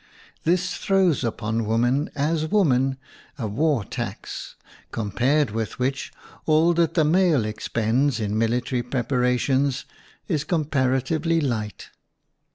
This throws upon woman as woman a war tax, compared with which all that the male expends in military prepara tions is comparatively light.